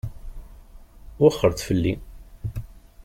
Wexxṛet fell-i!